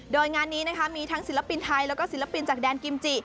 โดยงานนี้นะคะมีทั้งศิลปินไทยแล้วก็ศิลปินจากแดนกิมจิ